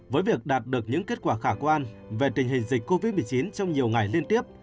với việc đạt được những kết quả khả quan về tình hình dịch covid một mươi chín trong nhiều ngày liên tiếp